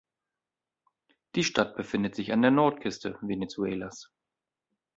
Die Stadt befindet sich an der Nordküste Venezuelas.